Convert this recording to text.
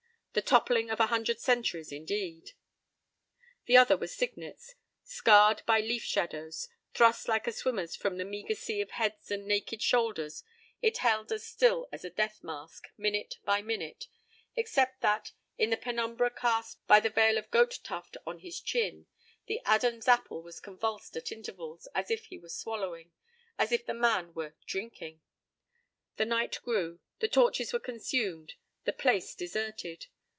The toppling of a hundred centuries, indeed. The other was Signet's. Scarred by leaf shadows, thrust like a swimmer's from the meager sea of heads and naked shoulders, it held as still as a death mask, minute by minute, except that, in the penumbra cast by the veil of goat tuft on his chin, the Adam's apple was convulsed at intervals, as if he were swallowing, as if the man were drinking! The night grew. The torches were consumed, the "place" deserted.